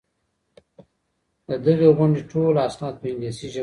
د دغي غونډې ټول اسناد په انګلیسي ژبه دي.